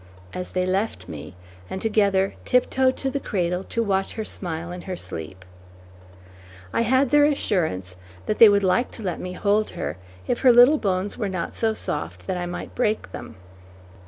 as they left me, and together tip toed to the cradle to watch her smile in her sleep. I had their assurance that they would like to let me hold her if her little bones were not so soft that I might break them.